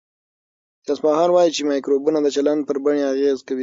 ساینسپوهان وايي چې مایکروبونه د چلند پر بڼې اغېز کوي.